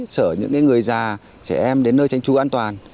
sở những người già trẻ em đến nơi tranh trú an toàn